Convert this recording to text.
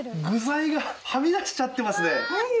具材がはみ出しちゃってますね。